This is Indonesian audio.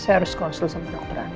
saya harus konsul sama dokter